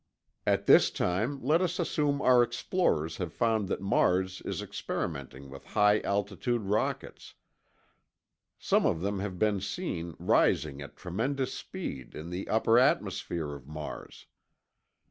At this time, let us assume our explorers have found that Mars is experimenting with high altitude rockets; some of them have been seen, rising at tremendous speed, in the upper atmosphere of Mars.